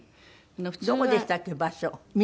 どこでしたっけ？